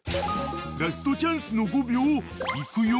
［ラストチャンスの５秒いくよ］